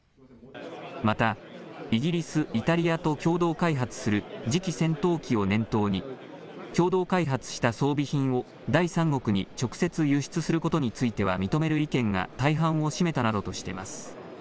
またイギリス、イタリアと共同開発する次期戦闘機を念頭に共同開発した装備品を第三国に直接輸出することについては認める意見が大半を占めたなどとしています。